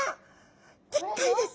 でっかいです。